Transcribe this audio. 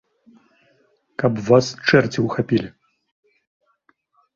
Каб вас чэрці ўхапілі!